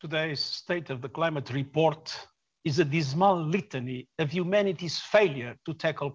kondisi lautan di bumi menjadi suhu lautan di bumi menjadi yang paling asam tahun dua ribu dua puluh satu